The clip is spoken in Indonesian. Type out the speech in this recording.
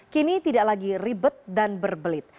kini tidak lagi ribet dan berbelit